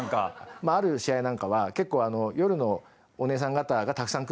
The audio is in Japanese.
まあある試合なんかは結構夜のお姉さん方がたくさん来る試合とか。